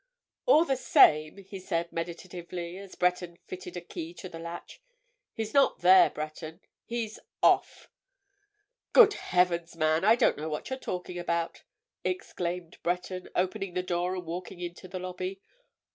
"All the same," he said meditatively as Breton fitted a key to the latch, "he's not there, Breton. He's—off!" "Good heavens, man, I don't know what you're talking about!" exclaimed Breton, opening the door and walking into the lobby.